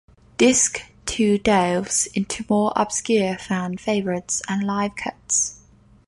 Disc two delves into more obscure fan favorites and live cuts.